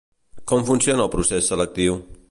Com funciona el procés selectiu?